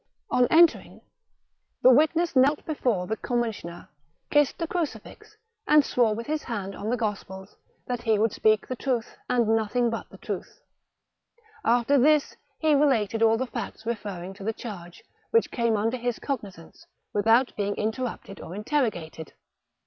On entering, the witness knelt before the com 192 THE BOOK OF WERE WOLVES. missioner, kissed the crucifix, and swore with his hand on the Gospels that he would speak the truth, and nothing but the truth : after this he related all the facts referring to the charge, which came under his cognizance, without being interrupted or interrogated.